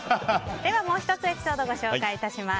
もう１つエピソードご紹介します。